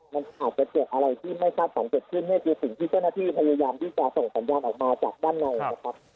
มันอาจจะเกิดอะไรที่ไม่คาดฝันเกิดขึ้นเนี่ยคือสิ่งที่เจ้าหน้าที่พยายามที่จะส่งสัญญาณออกมาจากด้านในนะครับ